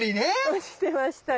落ちてましたよ。